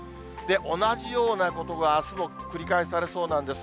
同じようなことが、あすも繰り返されそうなんです。